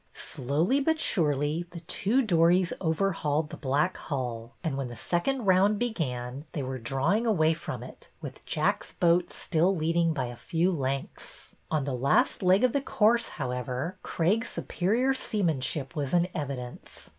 Slowly but surely the two dories overhauled the black hull, and when A NEW SCHEME 95 the second round began they were drawing away from it, with Jack's boat still leading by a few lengths. On the last leg of the course, however, Craig's superior seamanship was in evidence.